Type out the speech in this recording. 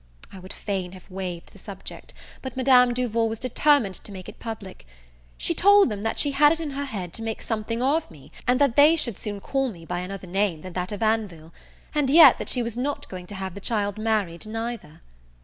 I would fain have waived the subject, but Madame Duval was determined to make it public. She told tham that she had it in her head to make something of me, and that they should soon call me by another name than that of Anville; and yet that she was not going to have the child married neither.